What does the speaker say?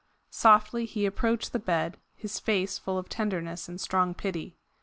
Softly he approached the bed, his face full of tenderness and strong pity.